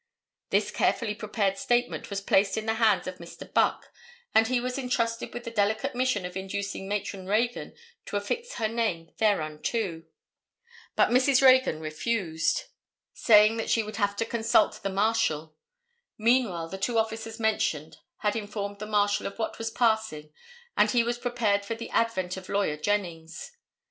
This carefully prepared statement was placed in the hands of Mr. Buck and he was entrusted with the delicate mission of inducing Matron Reagan to affix her name thereunto. But Mrs. Reagan refused, saying that she would have to consult the marshal. Meanwhile the two officers mentioned had informed the Marshal of what was passing and he was prepared for the advent of Lawyer Jennings.